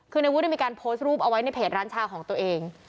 คือในวุฒิมีการโพสต์รูปเอาไว้ในเพจร้านชาของตัวเอง